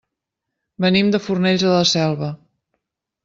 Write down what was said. Venim de Fornells de la Selva.